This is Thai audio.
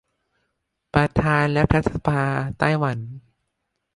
ประธานรัฐสภาไต้หวัน